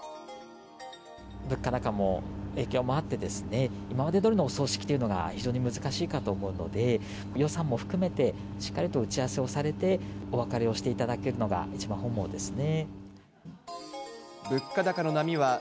物価高も影響もあって、今までどおりのお葬式というのが非常に難しいかと思うので、予算も含めて、しっかりと打ち合わせをされて、お別れをしていただけるのが一番本望ですね。